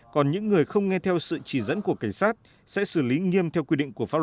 còn những người không nghe theo sự chỉ dẫn của cảnh sát sẽ xử lý nghiêm theo quy định của pháp luật